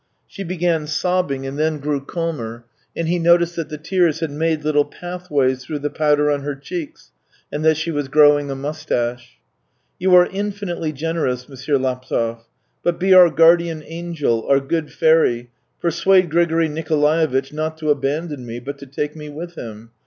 She began sobbing, and then grew calmer, and he noticed that the tears had made little pathways through the powder on her cheeks, and that she was growing a moustache. " You are infinitely generous, M. Laptev. But be our guardian angel, our good fairy, persuade Grigory Nikolaevitch not to abandon me, but to take me with him.